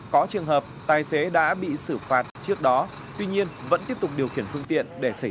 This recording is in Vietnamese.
có trường hợp tài xế đã bị xử phạt trước đó tuy nhiên vẫn tiếp tục điều khiển phương tiện để xảy ra